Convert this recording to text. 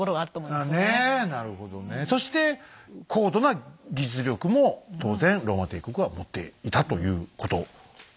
そして高度な技術力も当然ローマ帝国は持っていたということですね。